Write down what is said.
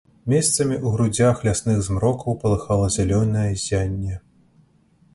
Месцамі ў грудзях лясных змрокаў палыхала зялёнае ззянне.